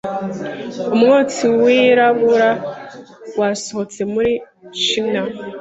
Umwotsi wirabura wasohotse muri chimney.